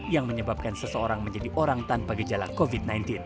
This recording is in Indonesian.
yang menyebabkan seseorang menjadi orang tanpa gejala covid sembilan belas